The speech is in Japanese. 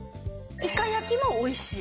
イカ焼きもおいしい。